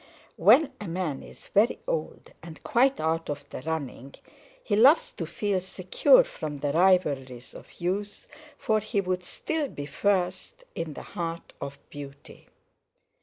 When a man is very old and quite out of the running, he loves to feel secure from the rivalries of youth, for he would still be first in the heart of beauty.